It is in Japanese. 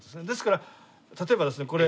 ですから例えばですね